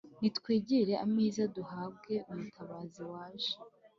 nitwegere ameza, duhabwe umutabazi, waje